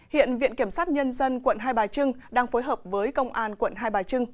hiện viện kiểm sát nhân dân quận hai bà trưng đang phối hợp với công an quận hai bà trưng